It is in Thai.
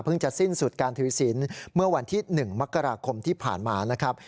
จะสิ้นสุดการถือศิลป์เมื่อวันที่๑มกราคมที่ผ่านมานะครับ